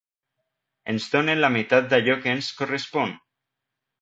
Ens donen la meitat d’allò què ens correspon.